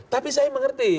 tapi saya mengerti